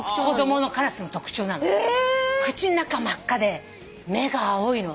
口ん中真っ赤で目が青いの。